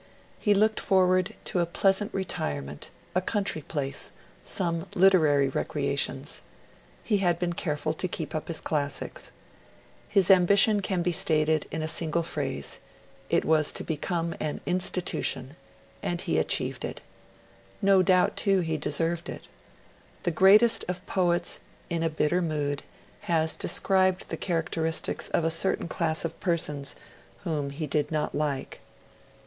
He looked forward to a pleasant retirement a country place some literary recreations. He had been careful to keep up his classics. His ambition can be stated in a single phrase it was to become an institution; and he achieved it. No doubt, too, he deserved it. The greatest of poets, in a bitter mood, has described the characteristics of a certain class of persons, whom he did not like.